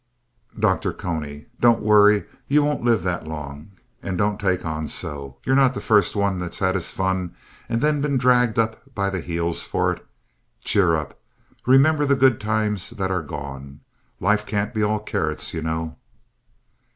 DR. CONY Don't worry, you won't live that long, and don't take on so. You're not the first one that's had his fun and then been dragged up by the heels for it. Cheer up. Remember the good times that are gone. Life can't be all carrots, you know.